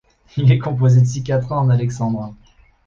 Il est composé de six quatrains en alexandrin.